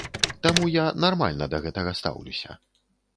Таму я нармальна да гэтага стаўлюся.